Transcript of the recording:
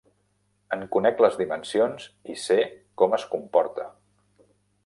En conec les dimensions i sé com es comporta.